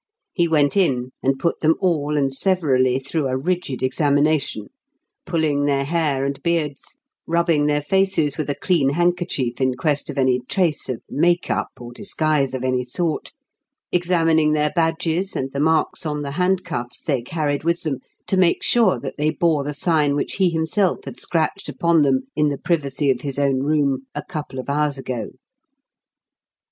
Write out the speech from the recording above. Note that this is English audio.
He went in and put them all and severally through a rigid examination pulling their hair and beards, rubbing their faces with a clean handkerchief in quest of any trace of "make up" or disguise of any sort, examining their badges and the marks on the handcuffs they carried with them to make sure that they bore the sign which he himself had scratched upon them in the privacy of his own room a couple of hours ago.